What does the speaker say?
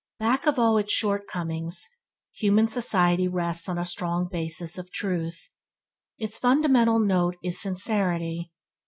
Back of all its shortcomings, human society rests on a strong basis of truth. Its fundamental note in sincerity.